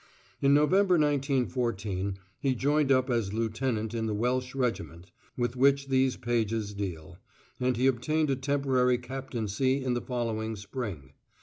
In November, 1914, he joined up as lieutenant in the Welsh regiment with which these pages deal, and he obtained a temporary captaincy in the following spring.